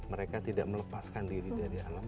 mereka tidak melepaskan diri dari alam